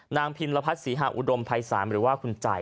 นางพิมพ์ละพัธธ์ศรีหะอุดมภัย๓หรือว่าคุณใจ